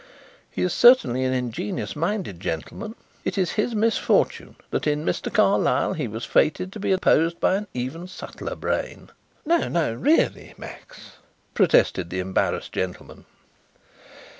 "He is certainly an ingenious minded gentleman. It is his misfortune that in Mr. Carlyle he was fated to be opposed by an even subtler brain " "No, no! Really, Max!" protested the embarrassed gentleman.